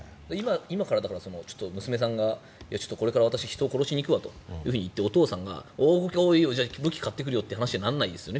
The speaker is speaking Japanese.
今から娘さんが、これから私、人を殺しに行くわといってお父さんがいいよ、武器買ってくるよという話にはならないですよね